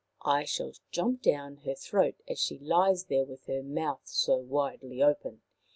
" I shall jump down her throat as she lies there with her mouth so widely open.